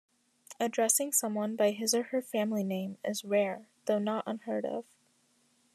Addressing someone by his or her family name is rare though not unheard of.